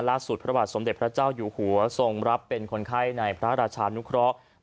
พระบาทสมเด็จพระเจ้าอยู่หัวทรงรับเป็นคนไข้ในพระราชานุเคราะห์